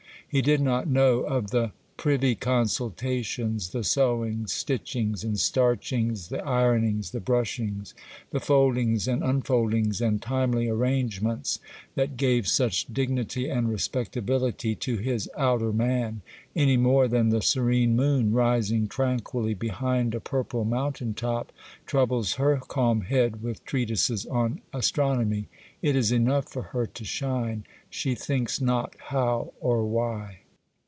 He did not know of the privy consultations, the sewings, stitchings, and starchings, the ironings, the brushings, the foldings and unfoldings and timely arrangements, that gave such dignity and respectability to his outer man, any more than the serene moon rising tranquilly behind a purple mountain top troubles her calm head with treatises on astronomy; it is enough for her to shine,—she thinks not how or why.